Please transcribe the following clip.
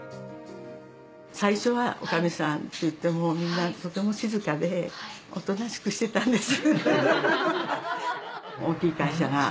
最初はおかみさんっていってもみんなとても静かでおとなしくしてたんです。